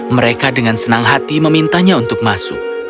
mereka dengan senang hati memintanya untuk masuk